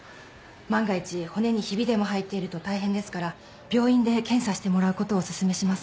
万が一骨にヒビでも入っていると大変ですから病院で検査してもらうことをお勧めします。